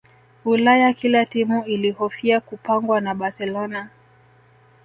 ulaya kila timu ilihofia kupangwa na barcelona